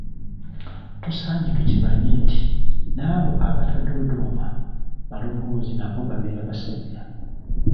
Tusaanye tukimanye nti n'abo abatadoodooma maloboozi nabo babeera basajja.